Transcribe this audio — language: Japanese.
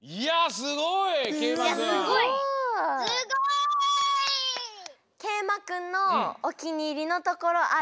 すごい！けいまくんのおきにいりのところある？